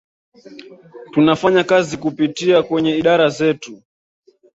Tunafanya kazi kupitia kwenye idara zetu